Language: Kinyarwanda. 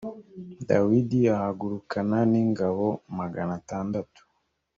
dawidi ahagurukana n ingabo magana atandatu